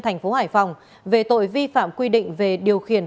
thành phố hải phòng về tội vi phạm quy định về điều khiển